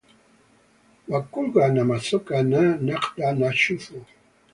W'akulwa na masoka na ndagha na chufu.